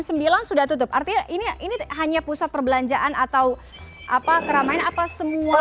sembilan sudah tutup artinya ini hanya pusat perbelanjaan atau apa keramaian apa semua